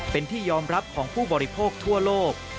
เป็นที่ยอมรับของผู้บริโภคทั่วโลก